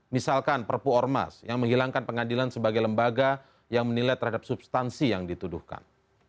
misalkan perpu ormas yang menghilangkan pengadilan sebagai lembaga yang menilai terhadap substansi yang dituduhkan